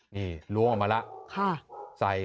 นี่ล้วงออกมาแล้ว